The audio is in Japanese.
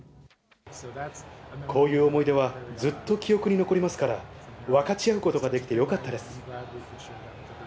こういう思い出はずっと記憶に残りますから、分かち合うことができてよかったです。